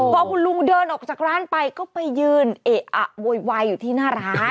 พอคุณลุงเดินออกจากร้านไปก็ไปยืนเอะอะโวยวายอยู่ที่หน้าร้าน